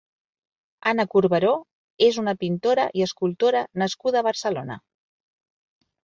Ana Corberó és una pintora i escultora nascuda a Barcelona.